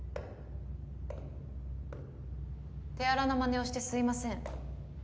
手荒なまねをしてすいません。